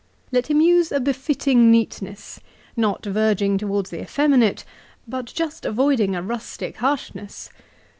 Let him use a befitting neatness, not verging towards the effeminate, but just avoid ing a rustic harshness.